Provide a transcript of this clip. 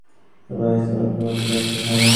তিনি দরবারে উপস্থাপিত প্রমাণটি দেখতে সম্মত হলেন।